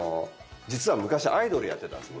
実は昔アイドルをやってたんです